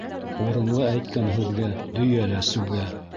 Урынлы әйткән һүҙгә дөйә лә сүгә.